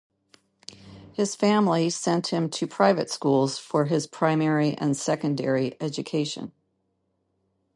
His family sent him to private schools for his primary and secondary education.